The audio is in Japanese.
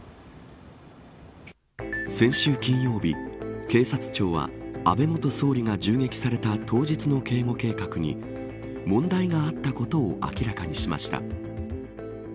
先週金曜日警察庁は安倍元総理が銃撃された当日の警護計画に問題があったことを明らかにしました。